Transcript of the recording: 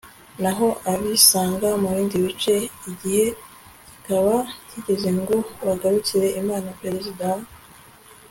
naho abisanga mu bindi bice, igihe kikaba kigeze ngo bagarukire imana. perezida wa